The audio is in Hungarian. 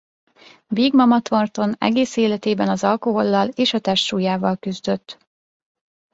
Big Mama Thornton egész életében az alkohollal és a testsúlyával küzdött.